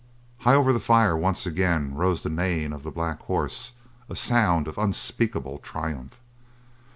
High over the fire, once again rose the neighing of the black horse, a sound of unspeakable triumph.